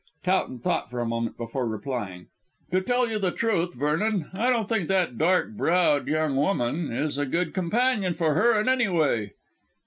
Towton thought for a moment before replying. "To tell you the truth, Vernon, I don't think that dark browed young woman is a good companion for her in any way."